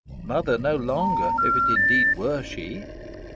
Mother no longer, if it indeed were she!